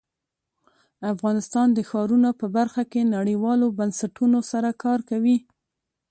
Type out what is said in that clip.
افغانستان د ښارونه په برخه کې نړیوالو بنسټونو سره کار کوي.